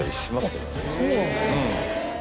そうなんですか。